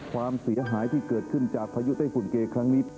ความเสียหายที่เกิดขึ้นจากพายุไต้ฝุ่นเกครั้งนี้